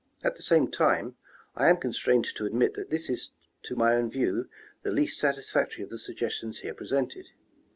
At the same time, I am constrained to admit that this is to my own view the least satisfactory of the suggestions here presented.